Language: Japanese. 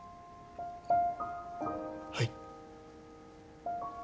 はい。